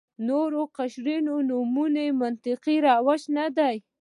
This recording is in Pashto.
نور قشرونو نومول منطقي روش نه دی.